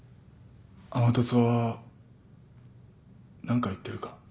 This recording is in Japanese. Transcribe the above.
天達は何か言ってるか？